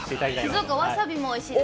静岡、わさびもおいしいです。